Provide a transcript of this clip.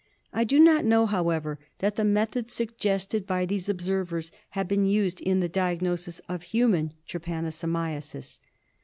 I do not know, however, that the methods suggested by these observations have been used in the diagnosis of human trypanosomiasis.